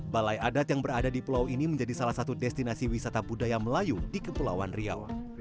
balai adat yang berada di pulau ini menjadi salah satu destinasi wisata budaya melayu di kepulauan riau